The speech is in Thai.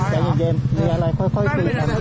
อย่าอย่าอย่าพี่อย่า